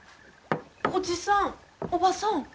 おじさんおばさん。